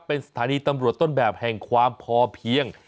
เป็นสถานีตำรวจต้นแบบแห่งความพอเพียง